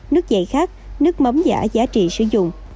nước dạy khác nước mắm giả giá trị sử dụng